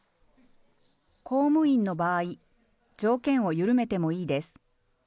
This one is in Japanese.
公務員の場合、条件を緩めてもいいです。